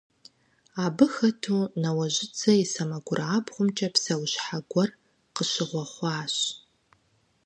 Абы хэту Ныуэжьыдзэ и сэмэгурабгъумкӀэ псэущхьэ гуэр къыщыгъуэхъуащ.